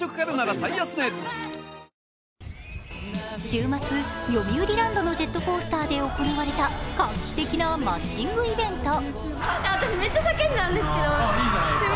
週末、よみうりランドのジェットコースターで行われた画期的なマッチングイベント。